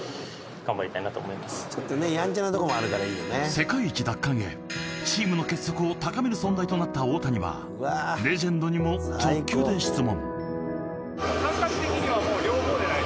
世界一奪還へチームの結束を高める存在となった大谷はレジェンドにも直球で質問。